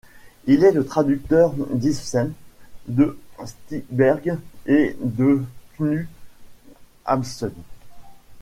Il est le traducteur d'Ibsen, de Strindberg et de Knut Hamsun.